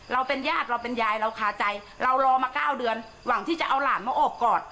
เราเป็นญาติเราเป็นยายเราคาใจเรารอมา๙เดือนหวังที่จะเอาหลานมาโอบกอด